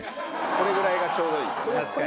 これぐらいがちょうどいいですよね。